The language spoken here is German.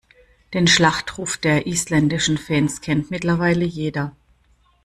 Den Schlachtruf der isländischen Fans kennt mittlerweile jeder.